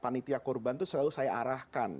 panitia korban itu selalu saya arahkan